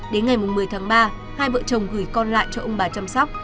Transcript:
đến ngày một mươi tháng ba hai vợ chồng gửi con lại cho ông bà chăm sóc